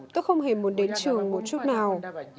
tôi không hề muốn đến trường một chút nào